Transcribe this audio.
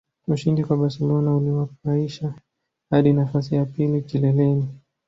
Ushindi kwa Barcelona uliwapaisha hadi nafasi ya pili kileleni